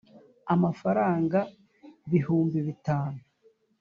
amafaranga bihumbi bitanu